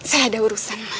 saya ada urusan